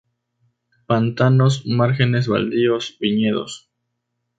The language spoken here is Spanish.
Pantanos, márgenes, baldíos, viñedos.